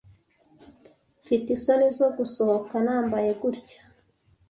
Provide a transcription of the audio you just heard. Mfite isoni zo gusohoka, nambaye gutya.